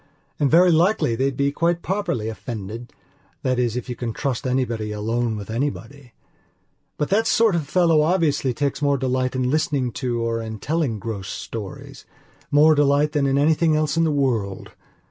And very likely they'd be quite properly offendedthat is if you can trust anybody alone with anybody. But that sort of fellow obviously takes more delight in listening to or in telling gross storiesmore delight than in anything else in the world.